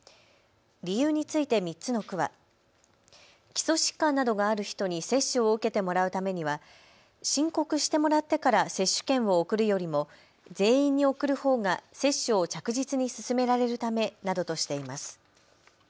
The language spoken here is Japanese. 理由について３つの区は基礎疾患などがある人に接種を受けてもらうためには申告してもらってから接種券を送るよりも全員に送るほうが接種を着実に進められるためなどとしています。